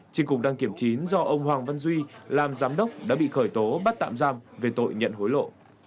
trên cục đăng kiểm chín do ông hoàng văn duy làm giám đốc đã bị khởi tố bắt tạm giam về tội nhận hối lộ